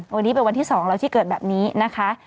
วันนี้เป็นวันที่๒แล้วที่เกิดแบบนี้นะคะ